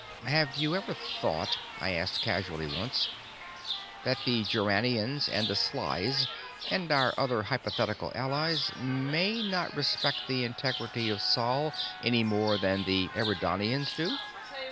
"Have you ever thought," I asked casually once, "that the Juranians and the Slighs and our other hypothetical allies may not respect the integrity of Sol any more than the Eridanians do?"